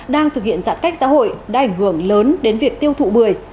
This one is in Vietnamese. đang thực hiện giãn cách xã hội đã ảnh hưởng lớn đến việc tiêu thụ bưởi